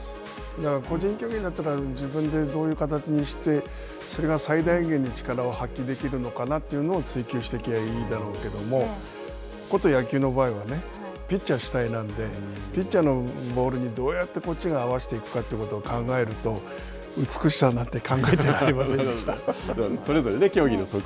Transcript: だから、個人競技だったら、自分でどういう形にして、それが最大限の力を発揮できるのかなというのを、追求していけばいいだろうけども、こと野球の場合は、ピッチャー主体なんで、ピッチャーのボールにどうやってこっちが合わせていくかということを考えると、美しさなんて考えてられませんでした。